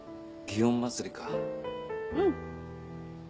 うん。